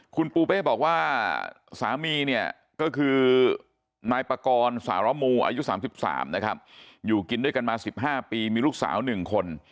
คุณปูเป้บอกว่าสามีเนี่ยก็คือนายปากรสารมูอายุ๓๓นะครับอยู่กินด้วยกันมา๑๕ปีมีลูกสาว๑คน